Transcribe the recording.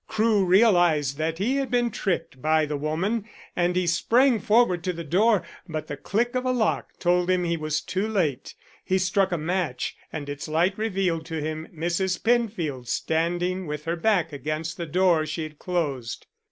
Crewe realized that he had been tricked by the woman and he sprang forward to the door. But the click of a lock told him he was too late. He struck a match and its light revealed to him Mrs. Penfield standing with her back against the door she had closed.